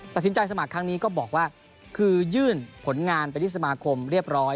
สมัครครั้งนี้ก็บอกว่าคือยื่นผลงานไปที่สมาคมเรียบร้อย